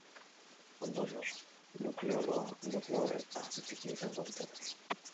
Ondorioz, nukleoloa nukleoaren hazi txikia izango litzateke.